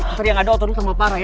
ntar yang ada otot lu tambah parah ya